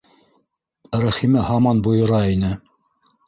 Рәхимә һаман бойора ине: